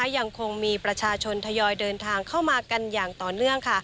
ยังคงมีประชาชนทยอยเดินทางเข้ามากันอย่างต่อเนื่อง